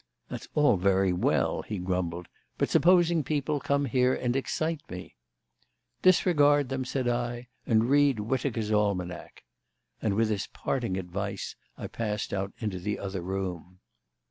"That's all very well," he grumbled, "but supposing people come here and excite me?" "Disregard them," said I, "and read Whitaker's Almanack." And with this parting advice I passed out into the other room.